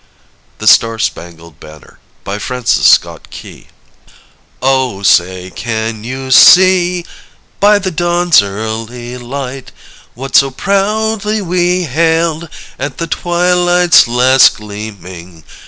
THE STAR SPANGLED BANNER. BY FRANCIS SCOTT KEY. Oh! say, can you see, by the dawn's early light, What so proudly we hailed at the twilight's last gleaming.